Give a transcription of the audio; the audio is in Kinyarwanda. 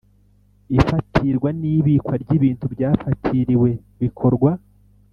Ifatirwa n ibikwa ry ibintu byafatiriwe bikorwa